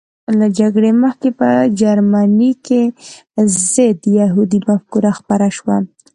له جګړې مخکې په جرمني کې ضد یهودي مفکوره خپره شوه